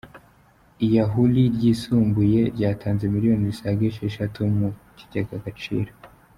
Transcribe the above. Iahuri ryisumbuye ryatanze miliyoni zisaga esheshatu mu kigega Agaciro